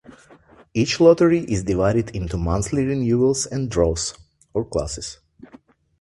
Each lottery is divided into monthly renewals and draws (classes).